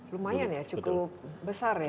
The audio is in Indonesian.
lumayan ya cukup besar ya